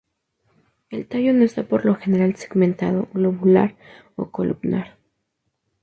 El tallo no está por lo general segmentado, globular o columnar.